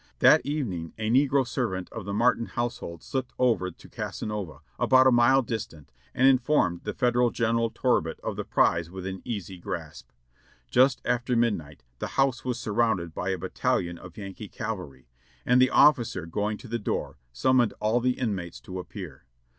That evening a negro servant of the Martin household slipped over to Casanova, about a mile distant,, and informed the Federal General Torbett of the prize within easy grasp. Just after midnight the house was surrounded by a battal ion of Yankee cavalry, and the officer, going to the door, summoned all the inmates to appear.